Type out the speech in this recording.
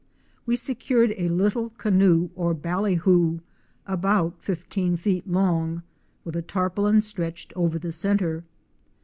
We secured a little canoe, or ballyhoo, about fifteen feet long, with a tarpaulin stretched over the centre.